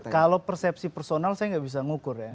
kalau persepsi personal saya nggak bisa ngukur ya